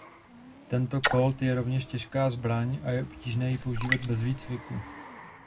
Tento Colt je rovněž těžká zbraň a je obtížné jí používat bez výcviku.